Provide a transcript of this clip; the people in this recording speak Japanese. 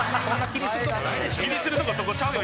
「気にするとこそこちゃうよ